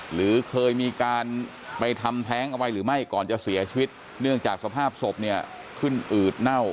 หรือเคยมีการไปทำแท้งเอาไว้หรือไม่ก่อนจะเสียชีวิตเนื่องจากสภาพศพเนี่ยขึ้นอืดเน่า